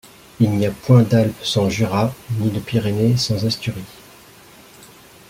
Il n’y a point d’Alpes sans Jura, ni de Pyrénées sans Asturies.